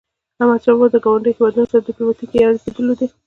احمدشاه بابا د ګاونډیو هیوادونو سره ډیپلوماټيکي اړيکي درلودی.